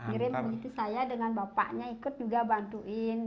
ngirim begitu saya dengan bapaknya ikut juga bantuin